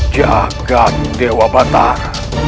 jagat dewa batar